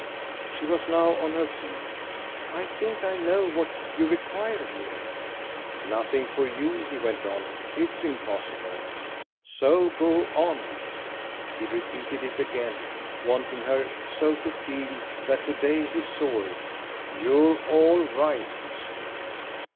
She was now on her feet. "I think I know what you require of me." "Nothing, for you," he went on, "IS impossible. So go on." He repeated it again wanting her so to feel that to day he saw it. "You're all right."